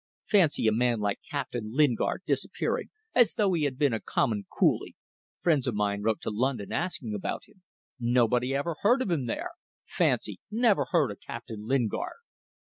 Fancy a man like Captain Lingard disappearing as though he had been a common coolie. Friends of mine wrote to London asking about him. Nobody ever heard of him there! Fancy! Never heard of Captain Lingard!"